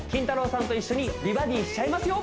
さんと一緒に美バディしちゃいますよ